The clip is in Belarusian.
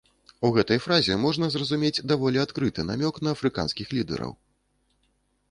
У гэтай фразе можна зразумець даволі адкрыты намёк на афрыканскіх лідэраў.